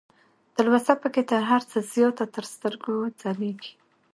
تلوسه پکې تر هر څه زياته تر سترګو ځلېږي